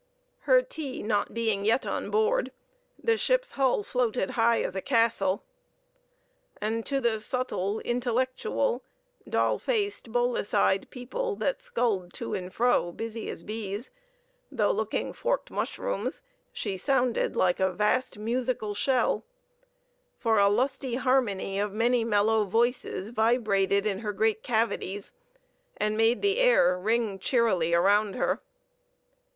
Her tea not being yet on board, the ship's hull floated high as a castle, and to the subtle, intellectual, doll faced, bolus eyed people, that sculled to and fro, busy as bees, though looking forked mushrooms, she sounded like a vast musical shell: for a lusty harmony of many mellow voices vibrated in her great cavities, and made the air ring cheerily around her.